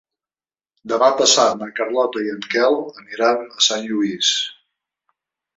Demà passat na Carlota i en Quel aniran a Sant Lluís.